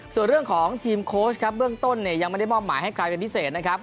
ส่วนเรื่องของทีมโค้ชครับเบื้องต้นเนี่ยยังไม่ได้มอบหมายให้ใครเป็นพิเศษนะครับ